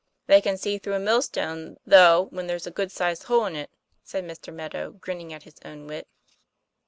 "They can see through a millstone, Chough, when there's a good sized hole in it," said Mr. Meadow, grinning at his own wit.